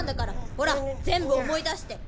ほら全部思い出して！